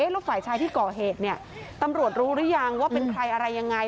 แล้วฝ่ายชายที่ก่อเหตุเนี่ยตำรวจรู้หรือยังว่าเป็นใครอะไรยังไง